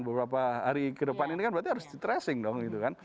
beberapa hari ke depan ini kan berarti harus di tracing dong gitu kan